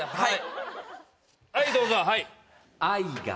はい。